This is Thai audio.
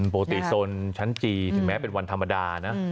ปกติส่วนชั้นจีนแม้เป็นวันธรรมดานะ